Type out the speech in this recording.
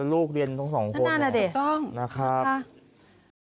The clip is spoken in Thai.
แล้วลูกเรียนทั้ง๒คนเหรอถูกต้องนะครับนั่นอ่ะเดียว